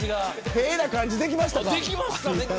屁な感じできましたか。